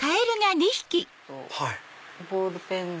ボールペンで。